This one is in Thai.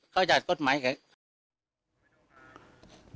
เขาจัดกฎหมายแก